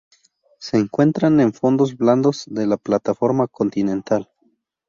Se encuentran en fondos blandos de la plataforma continental.